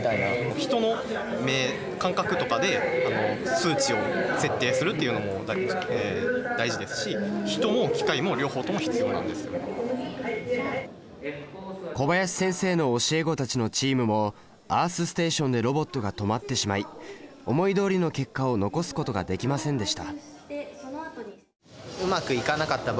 人の目感覚とかで数値を設定するというのも大事ですし小林先生の教え子たちのチームもアースステーションでロボットが止まってしまい思いどおりの結果を残すことができませんでした。